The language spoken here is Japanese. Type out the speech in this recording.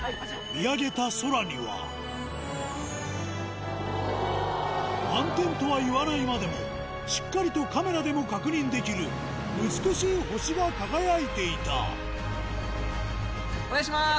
見上げた空には、満天とは言わないまでも、しっかりとカメラでも確認できる美しいお願いします。